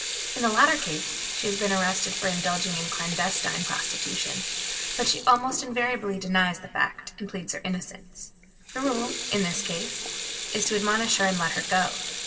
In the latter case she has been arrested for indulging in clandestine prostitution, but she almost invariably denies the fact, and pleads her innocence. The rule, in this case, is to admonish her and let her go.